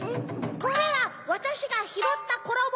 これはわたしがひろったころも！